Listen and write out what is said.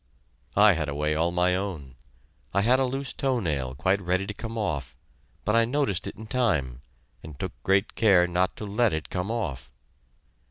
I had a way all my own. I had a loose toe nail, quite ready to come off, but I noticed it in time, and took great care not to let it come off.